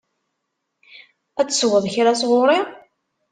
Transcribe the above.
Ad tesweḍ kra sɣur-i?